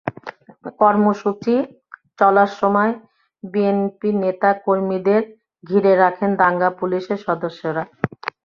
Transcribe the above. কর্মসূচি চলার সময় বিএনপি নেতা কর্মীদের ঘিরে রাখেন দাঙ্গা পুলিশের সদস্যরা।